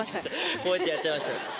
こうやってやっちゃいました。